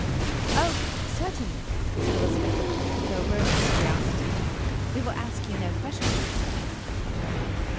"Oh, certainly," said Elizabeth, though burning with curiosity; "we will ask you no questions."